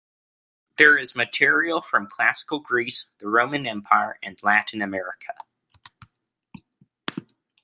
There is material from Classical Greece, the Roman Empire and Latin America.